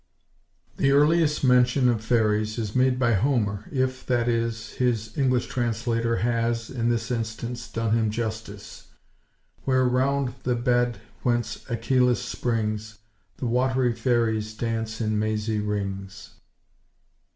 The earliest mention of Fairies is made by Homer, if, that is, his English translator has, in this instance, done him justice:— "Where round the bed, whence Achelöus springs, The wat'ry Fairies dance in mazy rings."